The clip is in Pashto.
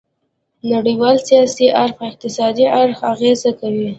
نړیوال سیاسي اړخ په اقتصادي اړخ اغیزه کوي